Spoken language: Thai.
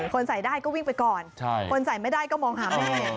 ใส่ได้ก็วิ่งไปก่อนคนใส่ไม่ได้ก็มองหาแม่